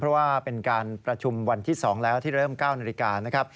เพราะว่าเป็นการประชุมวันที่๒แล้วที่เริ่ม๙นาฬิกานะครับ